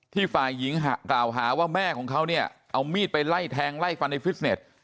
ฝ่ายหญิงกล่าวหาว่าแม่ของเขาเนี่ยเอามีดไปไล่แทงไล่ฟันในฟิตเน็ต